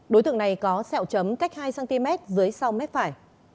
đối tượng này có sẹo chấm cách hai cm dưới sau mép phải